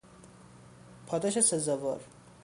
پاداش سزاوار